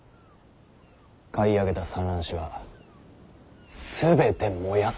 買い上げた蚕卵紙は全て燃やす。